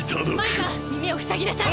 マイカみみをふさぎなさい！